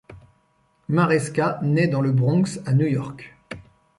Maresca nait dans le Bronx à New York.